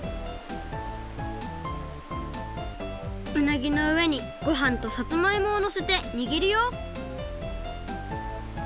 うなぎのうえにごはんとさつまいもをのせてにぎるよ